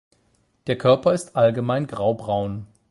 Der Körper ist allgemein graubraun.